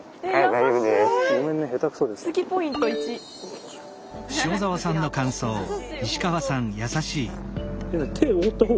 大丈夫です。